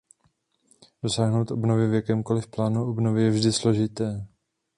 Dosáhnout obnovy v jakémkoli plánu obnovy je vždy složité.